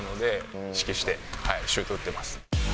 意識してシュート打ってます。